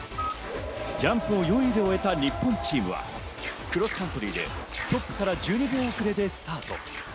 ジャンプを４位で終えた日本チームはクロスカントリーでトップから１２秒遅れでスタート。